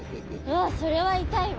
わそれは痛いわ。